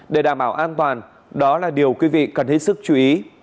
để đảm bảo an toàn đó là điều quý vị cần hết sức chú ý